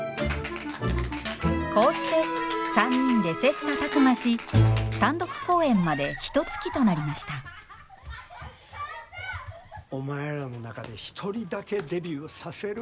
こうして３人で切磋琢磨し単独公演までひとつきとなりましたお前らの中で１人だけデビューさせる